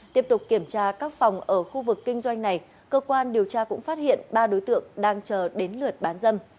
tiếp tục kiểm tra các phòng ở khu vực kinh doanh này cơ quan điều tra cũng phát hiện ba đối tượng đang chờ đến lượt bán dâm